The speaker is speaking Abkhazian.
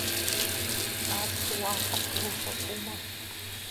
Нас уаҳа акыр уҭахума?